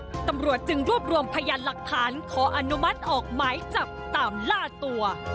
ตำรวจจึงรวบรวมพยานหลักฐานขออนุมัติออกหมายจับตามล่าตัว